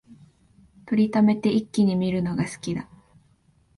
録りためて一気に観るのが好きだ